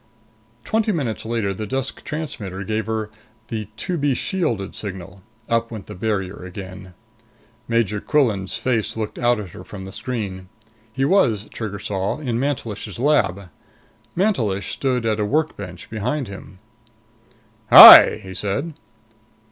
Twenty minutes later the desk transmitter gave her the "to be shielded" signal. Up went the barrier again. Major Quillan's face looked out at her from the screen. He was, Trigger saw, in Mantelish's lab. Mantelish stood at a work bench behind him. "Hi!" he said.